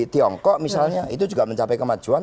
tiongkok misalnya itu juga mencapai kemajuan